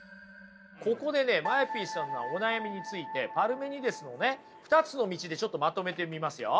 ここでＭＡＥＰさんのお悩みについてパルメニデスの２つの道でまとめてみますよ。